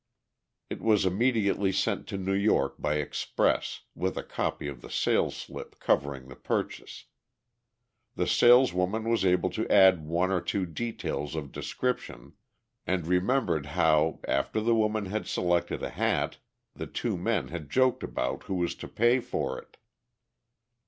It was immediately sent to New York by express, with a copy of the sales slip covering the purchase. The saleswoman was able to add one or two details of description, and remembered how, after the woman had selected a hat, the two men had joked about who was to pay for it.